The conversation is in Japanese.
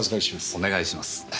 お願いします。